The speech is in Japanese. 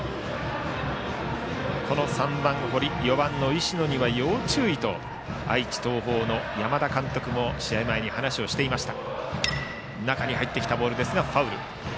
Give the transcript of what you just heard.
３番、堀と４番の石野には要注意と愛知・東邦の山田監督も試合前に話をしていました。